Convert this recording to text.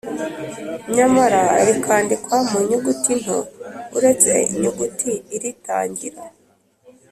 nyamara rikandikwa mu nyuguti nto uretse inyuguti iritangira